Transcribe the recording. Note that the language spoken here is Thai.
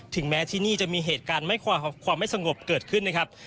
แม้ที่นี่จะมีเหตุการณ์ความไม่สงบเกิดขึ้นนะครับ